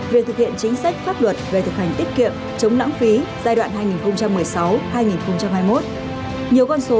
về thực hiện chính sách pháp luật về thực hành tiết kiệm